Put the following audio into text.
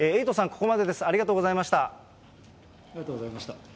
ここまでです、ありがとうございました。